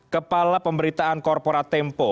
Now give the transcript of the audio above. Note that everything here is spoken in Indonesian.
kepala pemberitaan korporat tempo